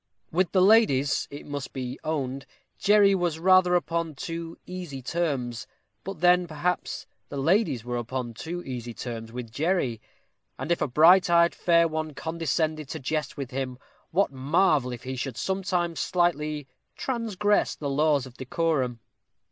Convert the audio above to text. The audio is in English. With the ladies, it must be owned, Jerry was rather upon too easy terms; but then, perhaps, the ladies were upon too easy terms with Jerry; and if a bright eyed fair one condescended to jest with him, what marvel if he should sometimes slightly transgress the laws of decorum.